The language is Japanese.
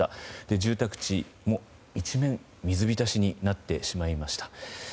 住宅地も一面水浸しになってしまいました。